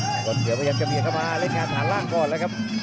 บังกรเขียวประหยัดกระเบียนเข้ามาเล็กงานฐานล่างก่อนเลยครับ